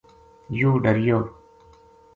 یوہ ڈریو